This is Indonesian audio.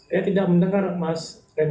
saya tidak mendengar mas